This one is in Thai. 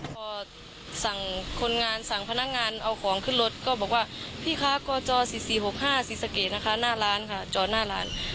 พอสั่งคนงานสั่งพนักงานเอาของขึ้นรถก็บอกว่าพี่คะกจ๔๔๖๕ศรีสะเกดนะคะหน้าร้านค่ะจอดหน้าร้าน